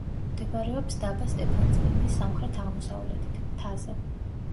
მდებარეობს დაბა სტეფანწმინდის სამხრეთ-აღმოსავლეთით, მთაზე.